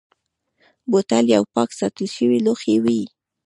بوتل یو پاک ساتل شوی لوښی وي.